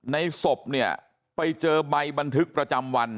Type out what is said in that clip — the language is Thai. ศพเนี่ยไปเจอใบบันทึกประจำวัน